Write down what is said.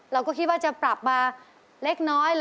เราก็คิดว่าจะปรับมาเล็กน้อย